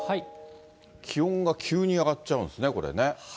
気温が急に上がっちゃうんですね、これね。